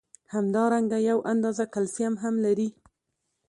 همدارنګه یو اندازه کلسیم هم لري.